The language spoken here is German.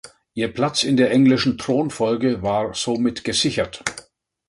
Ihr Platz in der englischen Thronfolge war somit gesichert.